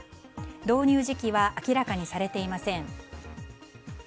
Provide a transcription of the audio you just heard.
導入時期は明らかにされていません。